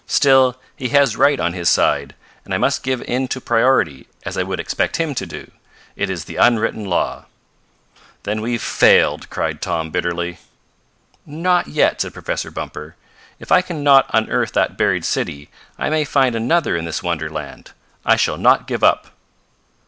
"Still he has right on his side, and I must give in to priority, as I would expect him to. It is the unwritten law." "Then we've failed!" cried Tom bitterly. "Not yet," said Professor Bumper. "If I can not unearth that buried city I may find another in this wonderland. I shall not give up."